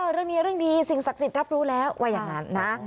เรื่องนี้เรื่องดีสิ่งศักดิ์สิทธิ์รับรู้แล้วว่าอย่างนั้นนะ